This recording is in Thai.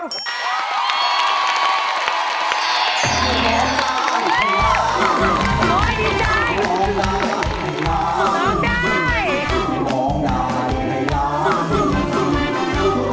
โอ๊ยดีใจ